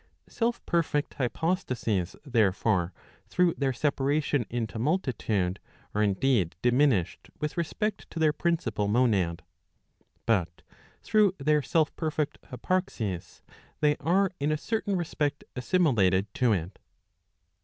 Self perfect hypostases, therefore, through their separation into multitude, are indeed diminished with respect to their principal monad ; but through * their self perfect hyparxis, they are in a certain respect assimilated to it.